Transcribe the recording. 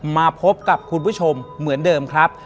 มาพบกับคุณผู้ชมเหมือนเดิมครับ